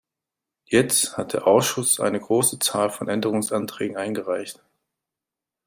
Jetzt hat der Ausschuss eine große Zahl von Änderungsanträgen eingereicht.